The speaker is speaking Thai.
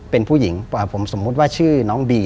เป็นผู้หญิงผมสมมุติว่าชื่อน้องบี